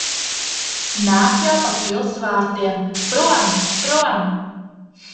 Nāk jau pa pils vārtiem. Prom! Prom!